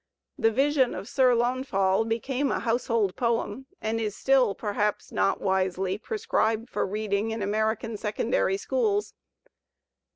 "The Vision of Sir Launfal" became a "household" poem, and is still, perhaps not wisely, prescribed for reading in American secondary schools.